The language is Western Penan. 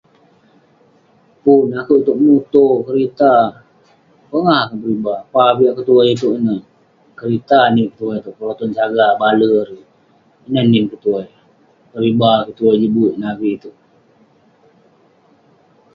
Pun, akouk itouk muto, kerita. Pongah akouk deriba. Pah avik akouk tuai itouk ineh, kerita nin kik tuai itouk, Proton Saga baler erei. Ineh nin kik tuai. Keriba kik tuai jin buik ineh avik itouk.